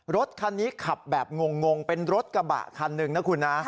รถคันนี้ขับแบบงงเป็นรถกระบะคันหนึ่งนะคุณนะ